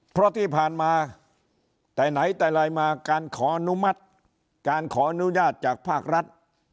เพราะที่ผ่านมาแต่ไหนแต่ไรมาการขออนุมัติการขออนุญาตจากภาครัฐ